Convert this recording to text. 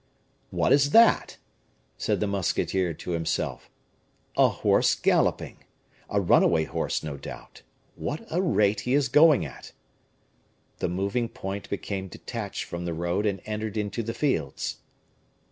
"What is that?" said the musketeer to himself; "a horse galloping, a runaway horse, no doubt. What a rate he is going at!" The moving point became detached from the road, and entered into the fields.